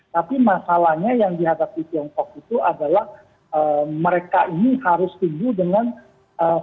tapi masalahnya yang dihadapi tiongkok itu adalah mereka ini harus tinggi dengan kebijakan ekonomi